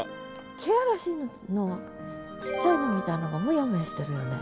気嵐のちっちゃいのみたいのがモヤモヤしてるよね